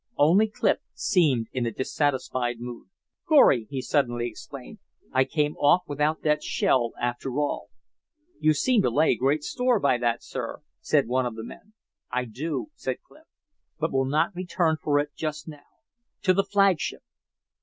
Only Clif seemed in a dissatisfied mood. "Gorry!" he suddenly exclaimed, "I came off without that shell after all!" "You seem to lay great store by that, sir," said one of the men. "I do," said Clif. "But will not return for it just now. To the flagship!"